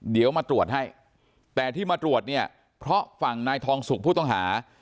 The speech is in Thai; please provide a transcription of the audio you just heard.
เดี๋ยวมาตรวจให้แต่ที่มาตรวจเนี่ยเพราะฝั่งนายทองสุกผู้ต้องหา